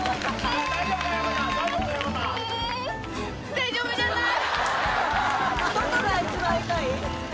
大丈夫じゃない。